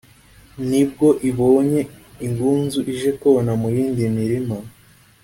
nibwo ibonye ingunzu ije kona mu yindi mirima